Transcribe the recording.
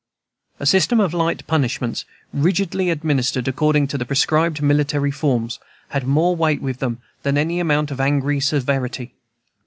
A system of light punishments, rigidly administered according to the prescribed military forms, had more weight with them than any amount of angry severity.